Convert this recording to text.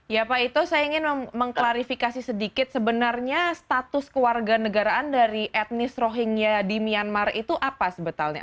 ya pak ito saya ingin mengklarifikasi sedikit sebenarnya status keluarga negaraan dari etnis rohingya di myanmar itu apa sebetulnya